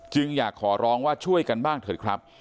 อยากขอร้องว่าช่วยกันบ้างเถอะครับ